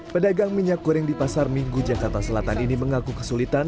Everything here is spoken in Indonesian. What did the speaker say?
pedagang minyak goreng di pasar minggu jakarta selatan ini mengaku kesulitan